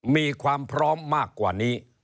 มีความพร้อมมากกว่านี้